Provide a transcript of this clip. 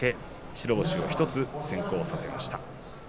白星を１つ先行させました。